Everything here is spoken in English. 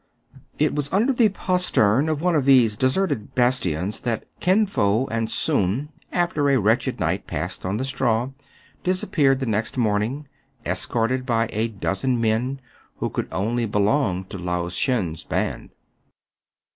It was under the postern of one of these de serted bastions that Kin Fo and Soun, after a wretched night passed on the straw, disappeared the next morning, escorted by a dozen men, who could only belong to Lao Shen's band.